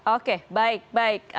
oke baik baik